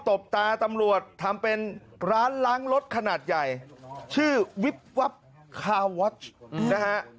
บตาตำรวจทำเป็นร้านล้างรถขนาดใหญ่ชื่อวิบวับคาวอชนะฮะ